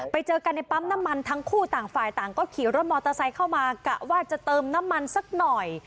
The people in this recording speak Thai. ไปเจอกันในปั๊มน้ำมันทั้งคู่ต่างฝ่ายต่างก็ขี่รถมอเตอร์ไซค์เข้ามากะว่าจะเติมน้ำมันสักหน่อย